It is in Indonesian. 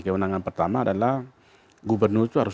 kewenangan pertama adalah gubernur itu harus